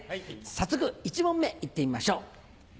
早速１問目いってみましょう。